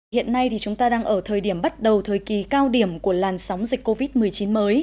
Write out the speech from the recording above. hiện nay thì chúng ta đang ở thời điểm bắt đầu thời kỳ cao điểm của làn sóng dịch covid một mươi chín mới